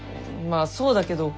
まあそうだけど。